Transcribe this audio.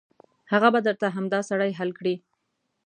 هغه به درته همدا سړی حل کړي.